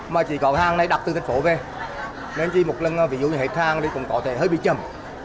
mà chỉ có hàng này đặt từ thành phố về nên chỉ một lần ví dụ như hết hàng thì cũng có thể hơi bị chậm